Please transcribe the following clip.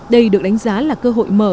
đây được đánh giá là cơ hội mở